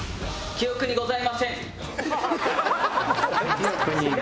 記憶にございません。